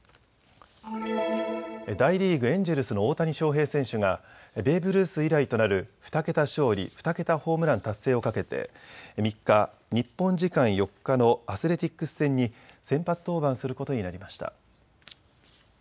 大リーグ、エンジェルスの大谷翔平選手がベーブ・ルース以来となる２桁勝利、２桁ホームラン達成をかけて３日、日本時間４日のアスレティックス戦に先発登板することになりました。